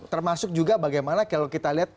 termasuk juga bagaimana kalau kita lihat